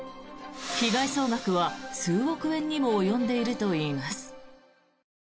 被害総額は数億円にも及んでいるといいます。